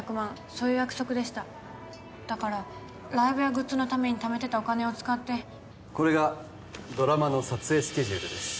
そういう約束でしただからライブやグッズのために貯めてたお金を使ってこれがドラマの撮影スケジュールです